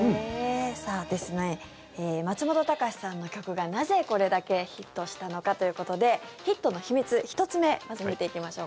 松本隆さんの曲がなぜこれだけヒットしたのかということでヒットの秘密、１つ目まず見ていきましょう。